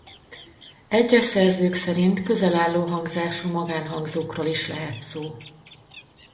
Egyes szerzők szerint közelálló hangzású magánhangzókról is lehet szó.